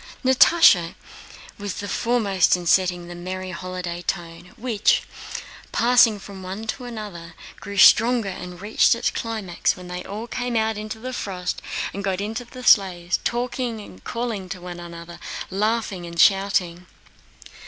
Natásha was foremost in setting a merry holiday tone, which, passing from one to another, grew stronger and reached its climax when they all came out into the frost and got into the sleighs, talking, calling to one another, laughing, and shouting.